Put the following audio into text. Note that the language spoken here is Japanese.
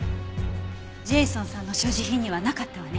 ジェイソンさんの所持品にはなかったわね。